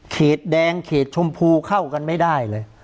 แดงเขตชมพูเข้ากันไม่ได้เลย